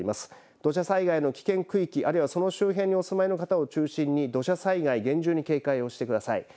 土砂災害の危険区域あるいはその周辺にお住まいの方を中心に土砂災害、厳重に警戒をしてください。